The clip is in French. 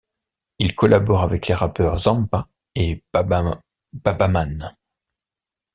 Il collabore avec les rappeurs Zampa et Babaman.